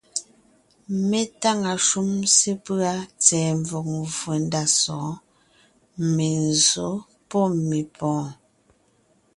Mé táŋa shúm sepʉ́a tsɛ̀ɛ mvɔ̀g mvfò ndá sɔ̌ɔn: menzsǒ pɔ́ mepɔ̀ɔn.